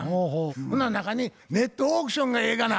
ほな中に「ネットオークションがええがな」